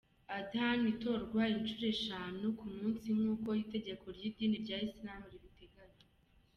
Adhana itorwa inshuro eshanu ku munsi nk’uko itegeko ry’idini ya Islam ribiteganya.